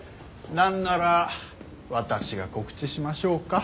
なんなら私が告知しましょうか？